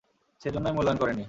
সেজন্যই মূল্যায়ন করেননি।